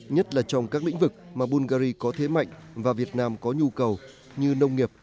nhất là trong các lĩnh vực mà bungary có thế mạnh và việt nam có nhu cầu như nông nghiệp